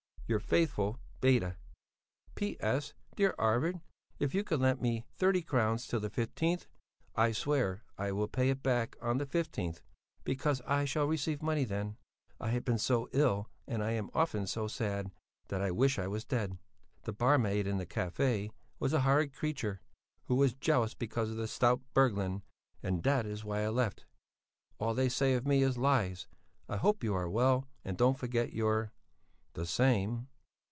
Your fathfull Beda. P. S. Dear Arvid, if you could lent me 30 crowns till the 15th, i sware i will pay it back on the 15th becos i shall receeve money then, i have been so ill and i am often so sad that i wish i was dead. The barmaid in the café was a horrid creechur who was jelous becaus of the stout Berglund and that is why i left. All they say of me is lies i hope you are well and dont forget your The same.